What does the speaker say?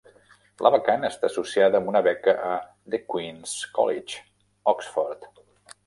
La vacant està associada amb una beca a The Queen's College, Oxford.